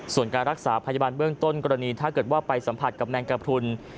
ส่วนการรักษาพยาบาลเบื้องต้นกรณีถ้าเกิดว่าไปสัมผัสกับแมงกระพรุน